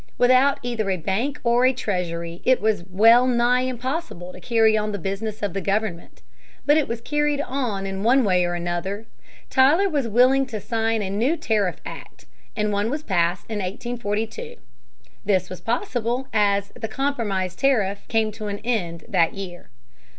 Without either a bank or a treasury, it was well nigh impossible to carry on the business of the government. But it was carried on in one way or another. Tyler was willing to sign a new tariff act, and one was passed in 1842. This was possible, as the Compromise Tariff (p. 248) came to an end in that year.